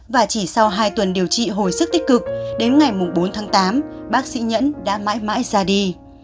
và chỉ sau hai tuần điều trị hồi sức tích cực đến ngày bốn tháng tám bác sĩ nhẫn đã mãi mãi ra đi